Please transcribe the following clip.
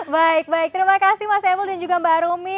baik baik terima kasih mas emil dan juga mbak rumi